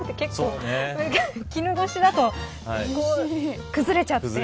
絹ごしだと崩れちゃって。